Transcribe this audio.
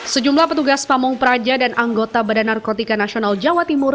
sejumlah petugas pamung peraja dan anggota bnn jawa timur